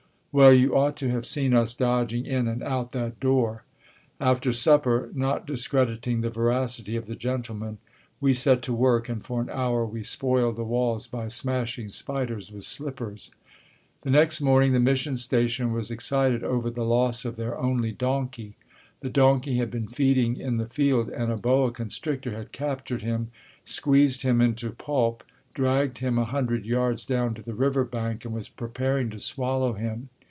Well, you ought to have seen us dodging in and out that door. After supper, not discrediting the veracity of the gentleman, we set to work, and for an hour we spoiled the walls by smashing spiders with slippers. The next morning the mission station was excited over the loss of their only donkey. The donkey had been feeding in the field and a boa constrictor had captured him, squeezed him into pulp, dragged him a hundred yards down to the river bank, and was preparing to swallow him.